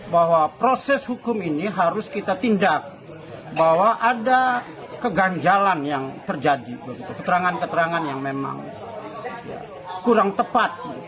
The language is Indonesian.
bahwa proses hukum ini harus kita tindak bahwa ada keganjalan yang terjadi keterangan keterangan yang memang kurang tepat